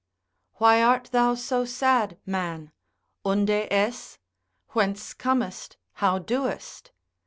Why art thou so sad man? unde es? whence comest, how doest?